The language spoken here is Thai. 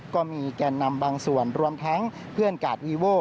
ก็มีแก่นนำบางส่วนรวมทั้งเพื่อนกาดวีโว่